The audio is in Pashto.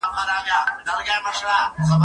هغه څوک چي ښه خبري کوي اغېز لري؟